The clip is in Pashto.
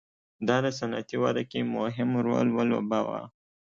دا د صنعتي وده کې مهم رول ولوباوه.